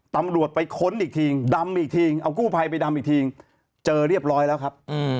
ตำรวจไปค้นอีกทีดำอีกทีเอากู้ภัยไปดำอีกทีเจอเรียบร้อยแล้วครับ